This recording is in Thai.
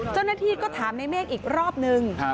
เจ้าหน้าที่ก็ถามในเมฆอีกรอบนึง